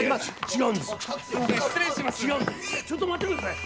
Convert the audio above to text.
違うんですちょっと待ってください。